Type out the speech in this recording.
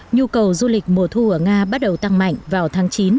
nhu cầu du lịch mùa thu ở nga bắt đầu tăng mạnh vào tháng chín